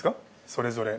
それぞれ。